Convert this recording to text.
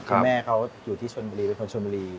คุณแม่เขาอยู่ที่ชนบุรีเป็นคนชนบุรี